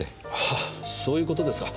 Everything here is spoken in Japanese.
ああそういうことですか。